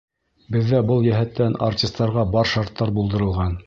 Беҙҙә был йәһәттән артистарға бар шарттар булдырылған.